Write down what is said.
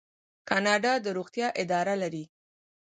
کاناډا د روغتیا اداره لري.